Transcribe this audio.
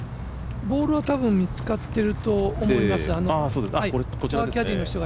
ボールは多分見つかっていると思います。